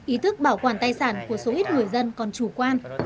ý thức bảo quản tài sản của số ít người dân còn chủ quan